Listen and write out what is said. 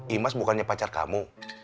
imas bukannya pacar kamu